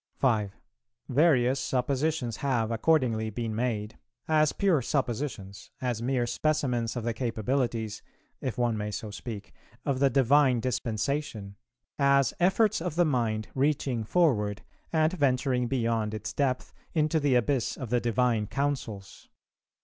5. "Various suppositions have, accordingly, been made, as pure suppositions, as mere specimens of the capabilities (if one may so speak) of the Divine Dispensation, as efforts of the mind reaching forward and venturing beyond its depth into the abyss of the Divine Counsels.